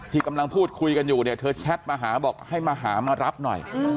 กำลังพูดคุยกันอยู่เนี่ยเธอแชทมาหาบอกให้มาหามารับหน่อย